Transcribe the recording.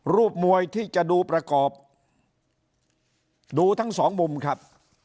มวยที่จะดูประกอบดูทั้งสองมุมครับ